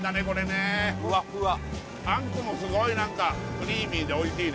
フワフワあんこもすごい何かクリーミーでおいしいね